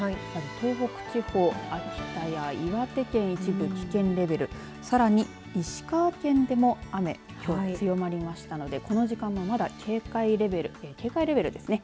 東北地方秋田や岩手県、一部、危険レベルさらに、石川県でも雨きょう強まりましたのでこの時間もまだ警戒レベルですね。